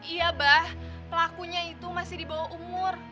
iya bah pelakunya itu masih di bawah umur